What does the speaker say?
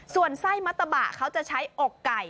ส่วนไส้มัตตะบะเขาจะใช้อกไก่